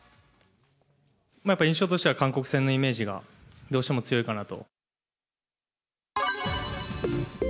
やっぱり印象としては、韓国戦のイメージがどうしても強いかなと。